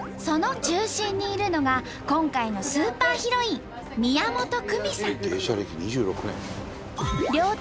その中心にいるのが今回のスーパーヒロイン芸者歴２６年。